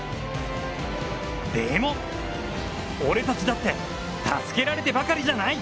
でも、俺たちだって助けられてばかりじゃない。